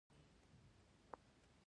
خو د مخامخ لیدلو خوند بل دی.